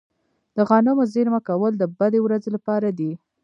د غنمو زیرمه کول د بدې ورځې لپاره دي.